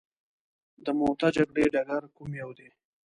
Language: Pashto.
د موته جګړې ډګر کوم یو دی.